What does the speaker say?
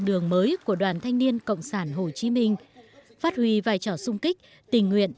đường mới của đoàn thanh niên cộng sản hồ chí minh phát huy vai trò sung kích tình nguyện